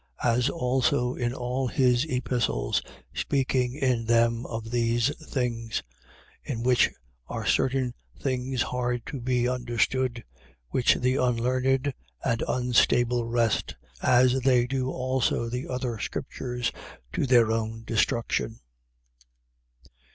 As also in all his epistles, speaking in them of these things; in which are certain things hard to be understood, which the unlearned and unstable wrest, as they do also the other scriptures, to their own destruction.